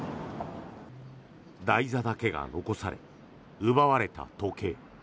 台座だけが残され奪われた時計。